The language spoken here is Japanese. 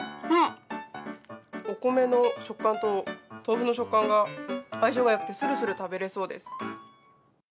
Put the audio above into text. お米の食感と豆腐の食感が相性がよくてスルスル食べれそうです。